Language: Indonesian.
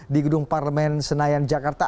di gedung parlemen senayan jakarta